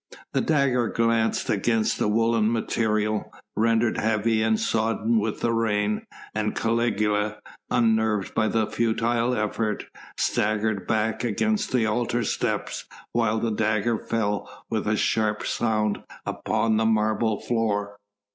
The dagger glanced against the woollen material, rendered heavy and sodden with the rain, and Caligula, unnerved by the futile effort, staggered back against the altar steps while the dagger fell with a sharp sound upon the marble floor.